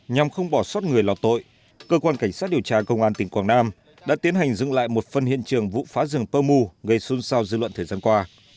nhằm không bỏ suốt người lọt tội cơ quan cảnh sát điều trà công an tỉnh quảng nam đã tiến hành dựng lại một phân hiện trường vụ phá rừng pơ mù gây xun sao dư luận thời gian qua